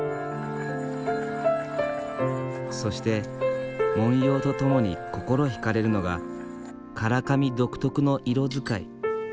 そして文様と共に心引かれるのが唐紙独特の色使い。